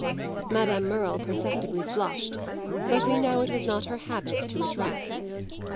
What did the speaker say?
Madame Merle perceptibly flushed, but we know it was not her habit to retract.